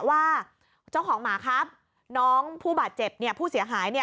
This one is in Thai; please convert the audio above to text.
ว่าเจ้าของหมาครับน้องผู้บาดเจ็บเนี่ยผู้เสียหาย